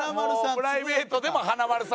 もうプライベートでも華丸さんですね。